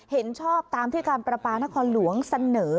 เห็นชอบตามที่การประปานครหลวงเสนอ